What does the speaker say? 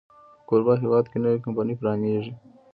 په کوربه هېواد کې نوې کمپني پرانیزي.